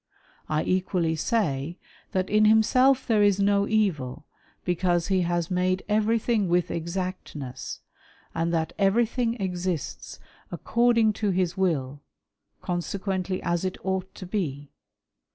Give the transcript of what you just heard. I '^ equally say, that in himself there is no evil, because he has " made everything with exactness, and that everything exists ''^according to his will ; consequently, as it ought to he.